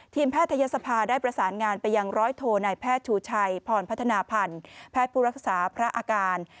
แพทยศภาได้ประสานงานไปยังร้อยโทนายแพทย์ชูชัยพรพัฒนาพันธ์แพทย์ผู้รักษาพระอาการ